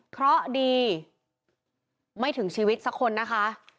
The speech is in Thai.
เพราะดีไม่ถึงชีวิตสักคนนะคะ